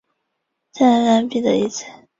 在蓝彼得一词。